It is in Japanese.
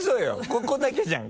ここだけじゃん。